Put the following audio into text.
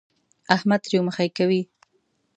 احمد تريو مخی کوي.